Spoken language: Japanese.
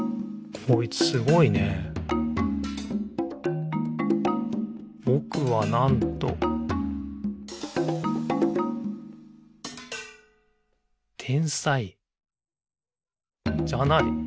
こいつすごいね「ぼくは、なんと・・」「天才」じゃない！？